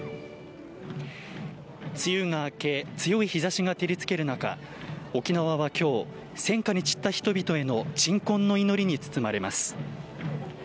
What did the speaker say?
梅雨が明け強い日差しが照りつける中沖縄は今日戦禍に散った人々への鎮魂の祈りに包まれます。